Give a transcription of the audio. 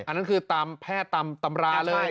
อันนั้นคือตามแพทย์ตามตำราเลย